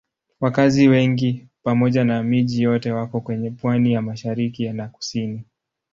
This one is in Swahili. Wakazi wengi pamoja na miji yote wako kwenye pwani ya mashariki na kusini.